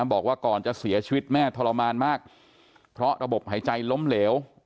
บอกว่าก่อนจะเสียชีวิตแม่ทรมานมากเพราะระบบหายใจล้มเหลว